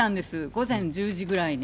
午前１０時ぐらいに。